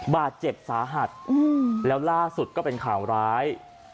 บาดเจ็บสาหัสแล้วล่าสุดก็เป็นข่าวร้าย